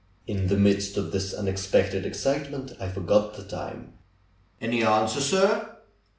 In the midst of this unexpected excitement I forgot the time. "Any answer, sir?"